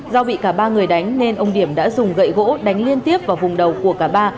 do bị cả ba người đánh nên ông điểm đã dùng gậy gỗ đánh liên tiếp vào vùng đầu của cả ba